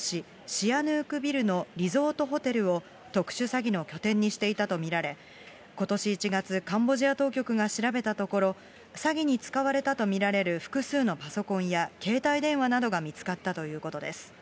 シアヌークビルのリゾートホテルを特殊詐欺の拠点にしていたと見られ、ことし１月、カンボジア当局が調べたところ、詐欺に使われたと見られる複数のパソコンや携帯電話などが見つかったということです。